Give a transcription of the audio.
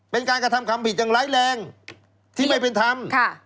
เป็นการกระทำความผิดอย่างร้ายแรงที่ไม่เป็นธรรม